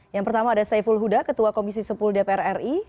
yang pertama ada saiful huda ketua komisi sepuluh dpr ri